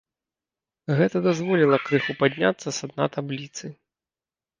Гэта дазволіла крыху падняцца са дна табліцы.